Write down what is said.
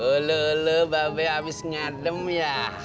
ulu ulu mbak b abis ngadem ya